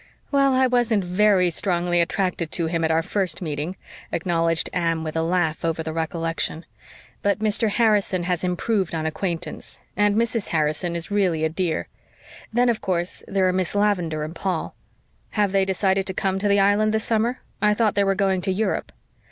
"Well, I wasn't VERY strongly attracted to him at our first meeting," acknowledged Anne, with a laugh over the recollection. "But Mr. Harrison has improved on acquaintance, and Mrs. Harrison is really a dear. Then, of course, there are Miss Lavendar and Paul." "Have they decided to come to the Island this summer? I thought they were going to Europe."